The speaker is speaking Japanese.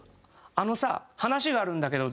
「あのさ話があるんだけど」